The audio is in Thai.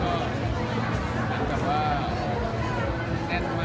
ก็หลักแบบว่า